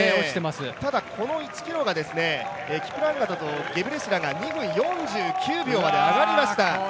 ただこの１ｋｍがキプラガトとゲブレシラセが２分４９秒まで上がりました。